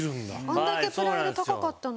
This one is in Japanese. あれだけプライド高かったのに。